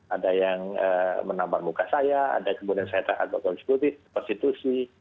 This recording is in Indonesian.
ada yang menambah muka saya ada yang saya tak agak agak sebutin persitusi